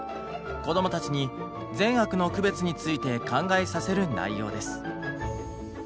こどもたちに善悪の区別について考えさせる内容です。